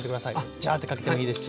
ジャーッてかけてもいいですし。